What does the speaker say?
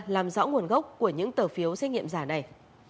làm rõ nguồn gốc của những tờ phiếu xét nghiệm giả này